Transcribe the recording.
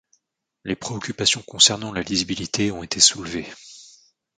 Les préoccupations concernant la lisibilité ont été soulevées.